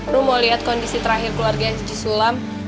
lo mau lihat kondisi terakhir keluarga haji sulam